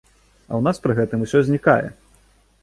А ў нас пры гэтым усё знікае!